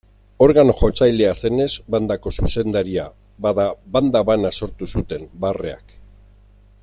Organo-jotzailea zenez bandako zuzendaria, bada, banda bana sortu zuten barreak.